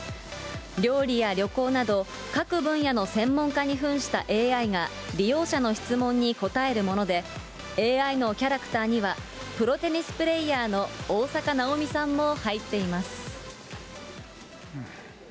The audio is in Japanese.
料理や旅行など、各分野の専門家にふんしたＡＩが、利用者の質問に答えるもので、ＡＩのキャラクターには、プロテニスプレーヤーの大坂なおみさんも入っています。